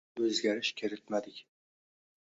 Hovliga deyarli o`zgarish kiritmadik